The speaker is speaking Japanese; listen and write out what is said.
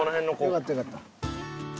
よかったよかった。